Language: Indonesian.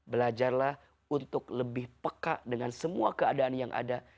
belajarlah untuk lebih peka dengan semua keadaan yang ada